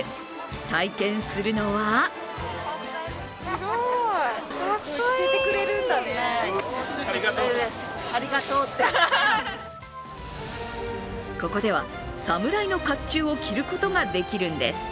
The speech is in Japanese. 体験するのはここでは、侍のかっちゅうを着ることができるんです。